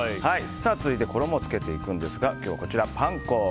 続いて、衣をつけていくんですが今日はこちら、パン粉。